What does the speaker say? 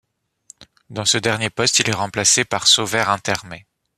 Das ce dernier poste il est remplacé par Sauvaire Intermet.